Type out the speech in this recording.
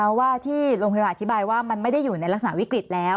เพราะว่าที่โรงพยาบาลอธิบายว่ามันไม่ได้อยู่ในลักษณะวิกฤตแล้ว